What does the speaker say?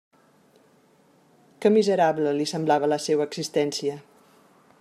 Que miserable li semblava la seua existència!